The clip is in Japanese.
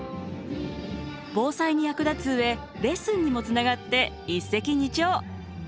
防災に役立つ上レッスンにもつながって一石二鳥！